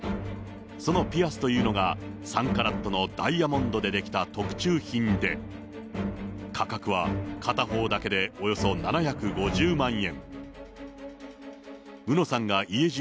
そのピアスというのが、３カラットのダイヤモンドで出来た特注品で、価格は片方だけでおよそ７５０万円。